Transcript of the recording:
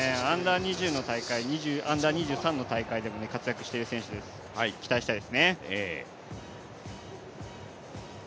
Ｕ−２３の大会でも活躍をしている選手です、期待したいですね。